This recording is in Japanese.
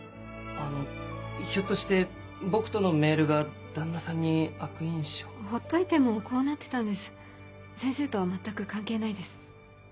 あのひょっとして僕とのメールが旦那さんに悪印象ほっといてもこうなってたんです先生とは全く関係ないです